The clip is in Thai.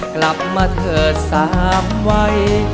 กลับมาเถิด๓วัย